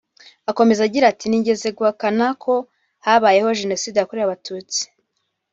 Akomeza agira ati “Nigeze guhakana ko habaye Jenoside yakorewe Abatutsi